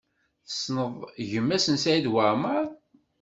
Tessneḍ gma-s n Saɛid Waɛmaṛ?